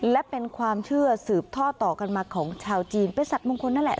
และเป็นความเชื่อสืบท่อต่อกันมาของชาวจีนเป็นสัตว์มงคลนั่นแหละ